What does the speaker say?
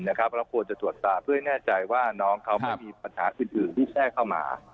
เราควรจะตรวจสาว่าน้องเขาไม่มีปัญหาอื่นรูปแช่เข้ามา